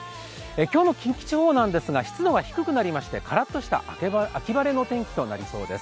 今日の近畿地方なんですが湿度は低くなりましてカラッとした秋晴れとなりそうです。